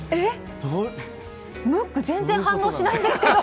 ムック全然反応しないんですけど！